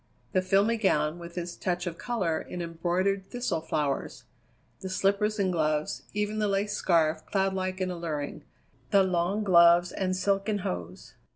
The filmy gown with its touch of colour in embroidered thistle flowers; the slippers and gloves; even the lace scarf, cloud like and alluring; the long gloves and silken hose.